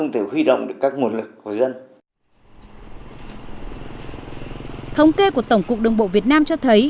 thông kê của tổng cục đồng bộ việt nam cho thấy